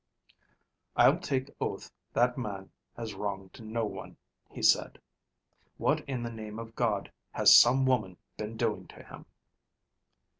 "I'll take oath that man has wronged no one," he said. "What in the name of God has some woman been doing to him?"